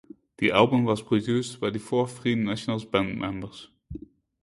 The album was produced by the four Free Nationals band members.